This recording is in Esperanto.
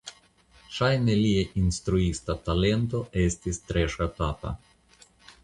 Ŝajne lia instruista talento estis tre ŝatata.